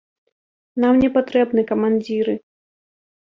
Нам не патрэбны камандзіры.